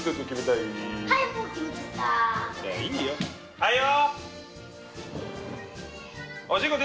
はいよ！